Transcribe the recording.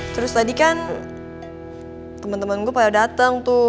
terus tadi kan temen temen gue pada dateng tuh